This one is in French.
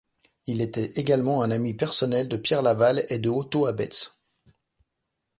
Il était également un ami personnel de Pierre Laval et de Otto Abetz.